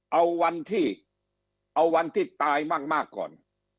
เอาวันที่เอาวันที่ตายมากก่อน